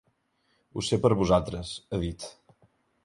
Ho sé per vosaltres, ha dit.